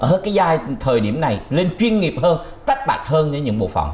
ở cái giai thời điểm này lên chuyên nghiệp hơn tách bạch hơn những bộ phòng